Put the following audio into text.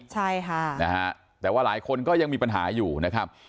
ใช่ค่ะนะฮะแต่ว่าหลายคนก็ยังมีปัญหาอยู่นะครับ